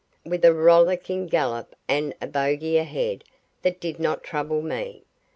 With a rollicking gallop and a bogey ahead, that did not trouble me.